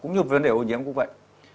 cũng như vấn đề ô nhiễm cũng vậy